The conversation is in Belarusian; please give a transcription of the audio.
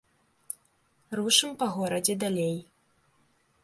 Рушым па горадзе далей.